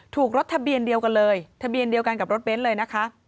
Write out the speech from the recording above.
รถทะเบียนเดียวกันเลยทะเบียนเดียวกันกับรถเบนท์เลยนะคะ